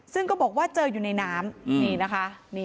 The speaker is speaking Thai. ซึ่งก็บอกว่าเจออยู่ในน้ำนี่นะคะ